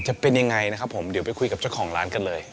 จะเป็นยังไงนะครับผมเดี๋ยวไปคุยกับเจ้าของร้านกันเลย